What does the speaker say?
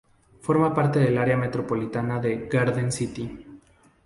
Forma parte del área micropolitana de Garden City.